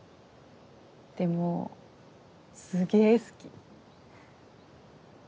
でもすげぇ好き。